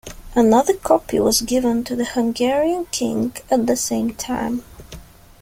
Another copy was given to the Hungarian king at the same time.